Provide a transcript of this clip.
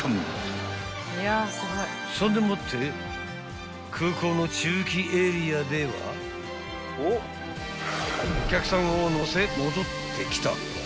［そんでもって空港の駐機エリアではお客さんを乗せ戻ってきた］